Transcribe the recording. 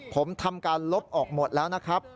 ผมทำการลบออกหมดแล้วนะครับ